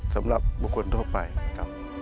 สำหรับบุคคลทั่วไปครับ